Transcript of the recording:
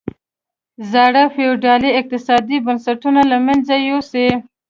زاړه فیوډالي اقتصادي بنسټونه له منځه یوسي.